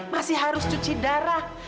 masih harus cuci darah